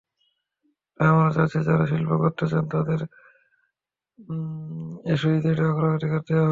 তাই আমরা চাচ্ছি, যাঁরা শিল্প করতে চান, তাঁদের এসইজেডে অগ্রাধিকার দেওয়া হবে।